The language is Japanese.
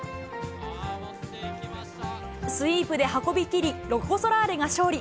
スイープで運びきり、ロコ・ソラーレが勝利。